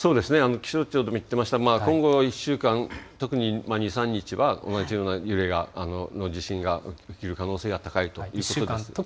気象庁でも言ってました、今後１週間、特に２、３日は同じような揺れの地震が起きる可能性が高いと。